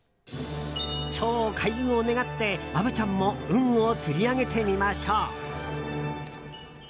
超開運を願って、虻ちゃんも運を釣り上げてみましょう。